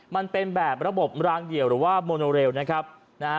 มันเป็นแบบระบบรางเดี่ยวหรือว่าโมโนเรลนะครับนะฮะ